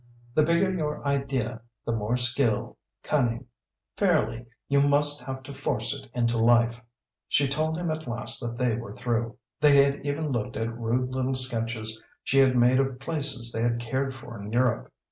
The bigger your idea, the more skill, cunning, fairly, you must have to force it into life." She told him at last that they were through. They had even looked at rude little sketches she had made of places they had cared for in Europe.